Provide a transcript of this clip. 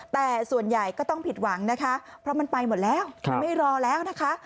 แต่ส่วนใหญ่ก็ต้องผิดหวังนะคะเพราะมันไปหมดแล้วมันไม่รอแล้วนะคะ